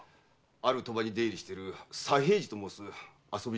ある賭場に出入りしている“左平次”ともうす遊び人でした。